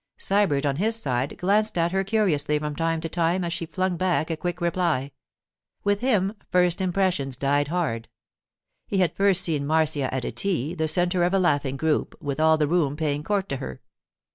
Sybert, on his side, glanced at her curiously from time to time as she flung back a quick reply. With him, first impressions died hard. He had first seen Marcia at a tea, the centre of a laughing group, with all the room paying court to her.